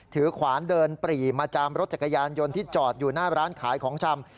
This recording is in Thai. ขวานเดินปรีมาจามรถจักรยานยนต์ที่จอดอยู่หน้าร้านขายของชำ